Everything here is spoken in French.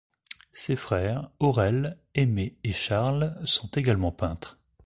Ses frères, Aurèle, Aimé et Charles, sont également peintres.